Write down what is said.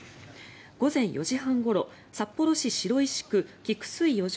午前４時半ごろ札幌市白石区菊水四条